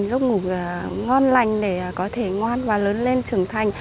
giấc ngủ ngon lành để có thể ngoan và lớn lên trưởng thành